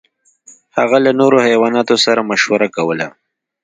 هغه له نورو حیواناتو سره مشوره کوله.